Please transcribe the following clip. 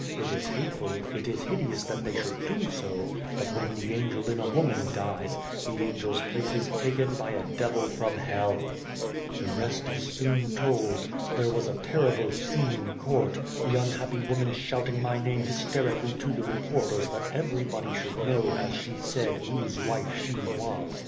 It is hateful, it is hideous that they should do so, but when the angel in a woman dies, the angel's place is taken by a devil from Hell. "* The rest is soon told. There was a terrible scene in court, the unhappy woman shouting my name hysterically to the reporters that everybody should know, as she said, whose wife she was.